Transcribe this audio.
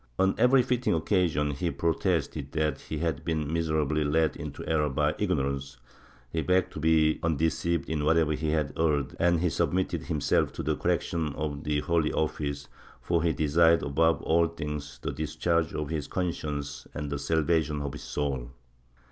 On every fitting occasion he protested that he had been miserably led into error by ignorance; he begged to be undeceived in whatever he had erred and he submitted himself to the correction of the Holy Office, for he desired above all things the discharge of his conscience and the salvation of his soul.